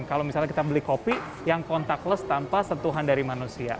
kalau misalnya kita beli kopi yang kontakless tanpa sentuhan dari manusia